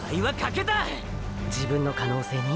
自分の可能性に？